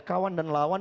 kawan dan lawan